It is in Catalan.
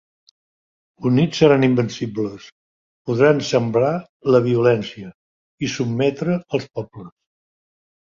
Units seran invencibles, podran sembrar la violència i sotmetre als pobles.